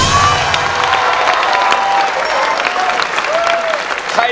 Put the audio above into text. เป็นอินโทรเพลงที่๔มูลค่า๖๐๐๐๐บาท